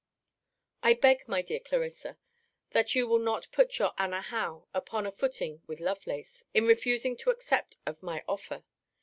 I beg, my dear Clarissa, that you will not put your Anna Howe upon a footing with Lovelace, in refusing to accept of my offer.